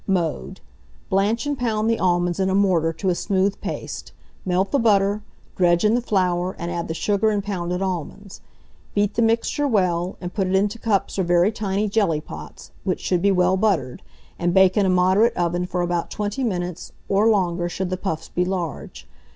Mode. Blanch and pound the almonds in a mortar to a smooth paste; melt the butter, dredge in the flour, and add the sugar and pounded almonds. Beat the mixture well, and put it into cups or very tiny jelly pots, which should be well buttered, and bake in a moderate oven for about 20 minutes, or longer should the puffs be large.